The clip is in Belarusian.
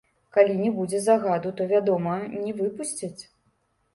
Калі не будзе загаду, то, вядома, не выпусцяць.